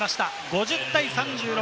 ５０対３６。